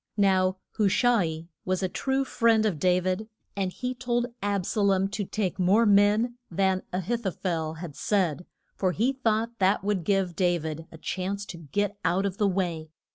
Now Hu sha i was a true friend of Da vid, and he told Ab sa lom to take more men than A hith o phel had said, for he thought that would give Da vid a chance to get out of the way.